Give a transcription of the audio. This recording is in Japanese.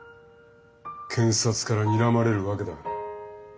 検察からにらまれるわけだ。